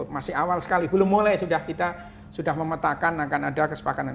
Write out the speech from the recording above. masih awal sekali belum mulai sudah kita sudah memetakan akan ada kesepakatan